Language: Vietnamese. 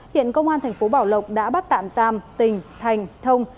hiện công an thành phố bảo lộc đã bắt tạm giam tình thành thông